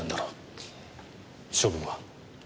処分は？